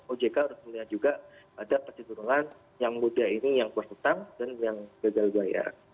ojk harus melihat juga ada kecenderungan yang muda ini yang berhutang dan yang gagal bayar